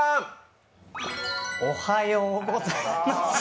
おはようございます。